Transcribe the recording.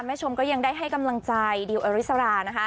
แม่ชมก็ยังได้ให้กำลังใจดิวอริสรา